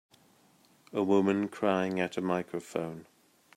A woman crying at a microphone.